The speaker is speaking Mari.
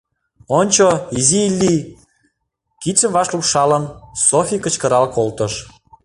— Ончо, изи Илли! — кидшым ваш лупшалын, Софи кычкырал колтыш.